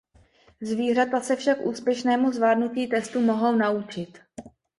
Zvířata se však úspěšnému zvládnutí testu mohou naučit.